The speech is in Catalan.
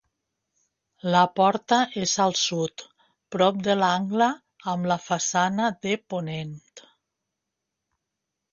La porta és al sud, prop de l'angle amb la façana de ponent.